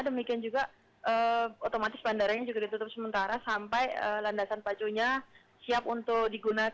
demikian juga otomatis bandaranya juga ditutup sementara sampai landasan pacunya siap untuk digunakan